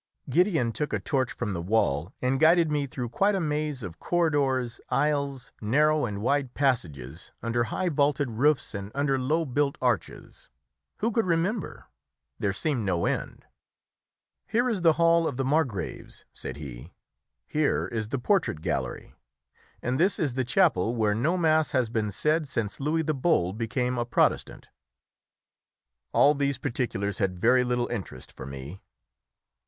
Gideon took a torch from the wall, and guided me through quite a maze of corridors, aisles, narrow and wide passages, under high vaulted roofs and under low built arches; who could remember? There seemed no end. "Here is the hall of the margraves," said he; "here is the portrait gallery, and this is the chapel, where no mass has been said since Louis the Bold became a Protestant." All these particulars had very little interest for me.